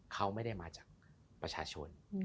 เขาไม่ได้มาจากประชาชน